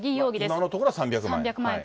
今のところは３００万円。